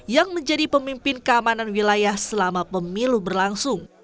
yang menjadi pemimpin keamanan wilayah selama pemilu berlangsung